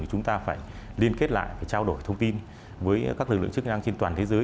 chúng ta phải liên kết lại và trao đổi thông tin với các lực lượng chức năng trên toàn thế giới